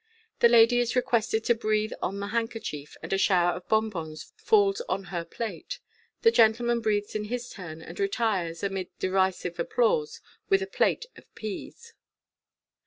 The lady is requested to breathe on the hand kerchief, and a shower of bonbons falls on her plate. The gentle man breathes in his turn, and retires, amid derisive applause, with a plate of peas.